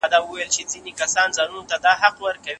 تاسي په دې نړۍ کي څه لټوئ؟